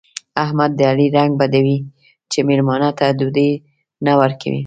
احمد د علي رنګ بدوي چې مېلمانه ته ډوډۍ نه ورکوي.